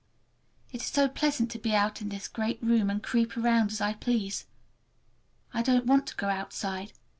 It is so pleasant to be out in this great room and creep around as I please! I don't want to go outside.